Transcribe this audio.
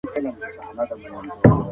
تاسي ولي د پښتو د پرمختګ مخه نیولې وه؟